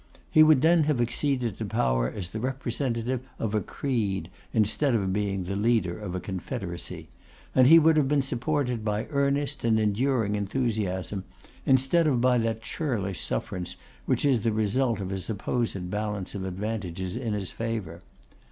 He would then have acceded to power as the representative of a Creed, instead of being the leader of a Confederacy, and he would have been supported by earnest and enduring enthusiasm, instead of by that churlish sufferance which is the result of a supposed balance of advantages in his favour.